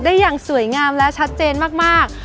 อย่างสวยงามและชัดเจนมาก